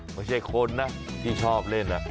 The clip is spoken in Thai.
ไม่ใช่คนนะที่ชอบเล่น